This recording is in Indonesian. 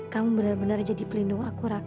kamu bener bener jadi pelindung aku raka